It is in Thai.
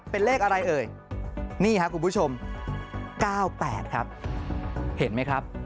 เป็นเลขอะไรเอ่ยนี่ครับคุณผู้ชม๙๘ครับเห็นไหมครับ